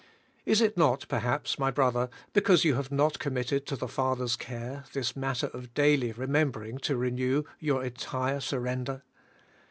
Is it not, per haps, my brother, because you have not committed to the Father's care this matter of daily remembering to renew your entire surrender?